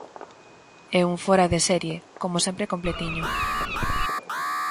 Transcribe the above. E un Fóra de Serie, como sempre completiño.